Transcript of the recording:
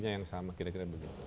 yang sama kira kira begitu